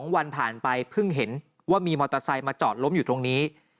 ๒วันผ่านไปเพิ่งเห็นว่ามีมอเตอร์ไซค์มาจอดล้มอยู่ตรงนี้